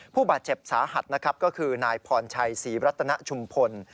ผู้บาดเจ็บสาหัสนะครับก็คือนายพรชัยศรีรัตนชุมพล